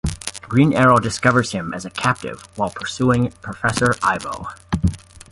Green Arrow discovers him as a captive while pursuing Professor Ivo.